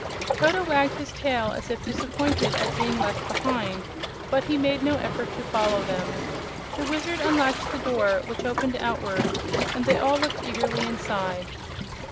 Toto wagged his tail as if disappointed at being left behind; but he made no effort to follow them. The Wizard unlatched the door, which opened outward, and they all looked eagerly inside.